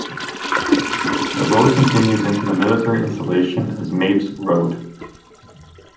The road continues into the military installation as Mapes Road.